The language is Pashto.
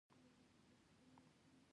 وزې له یوه ځایه بل ته کوچ کوي